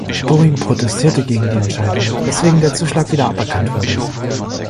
Boeing protestierte gegen die Entscheidung, weswegen der Zuschlag wieder aberkannt wurde.